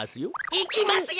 いきますよ！